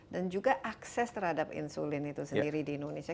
dan juga akses terhadap insulin itu sendiri di indonesia